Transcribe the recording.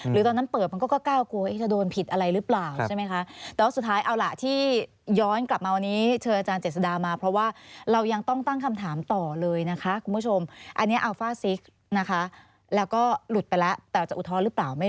หรือตอนนั้นเปิดมันก็กล้ากลัวกลัวว่าจะโดนผิดอะไรหรือเปล่า